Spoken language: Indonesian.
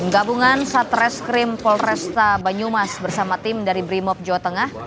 menggabungan satres krim polresta banyumas bersama tim dari brimob jawa tengah